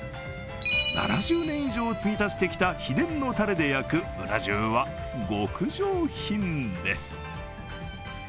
７０年以上継ぎ足してきた秘伝のたれで焼くうな重は極上品です。